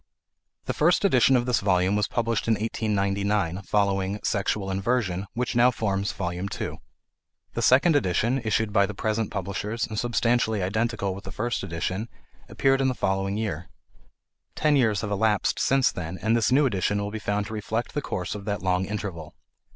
The first edition of this volume was published in 1899, following "Sexual Inversion," which now forms Volume II. The second edition, issued by the present publishers and substantially identical with the first edition, appeared in the following year. Ten years have elapsed since then and this new edition will be found to reflect the course of that long interval.